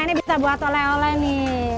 ini bisa buat oleh oleh nih